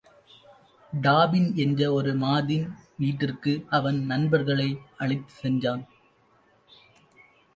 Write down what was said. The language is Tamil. டாபின் என்ற ஒரு மாதின் வீட்டிற்கு அவன் நண்பர்களை அழைத்துச் சென்றான்.